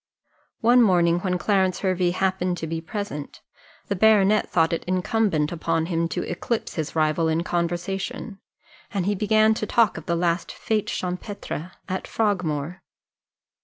One morning, when Clarence Hervey happened to be present, the baronet thought it incumbent upon him to eclipse his rival in conversation, and he began to talk of the last fête champêtre at Frogmore.